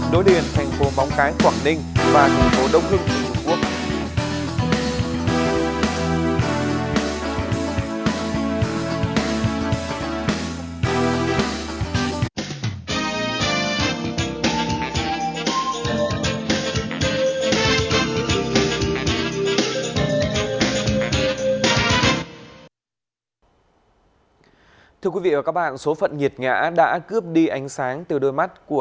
đối điện thành phố bóng cái quảng ninh và thành phố đông hưng trung quốc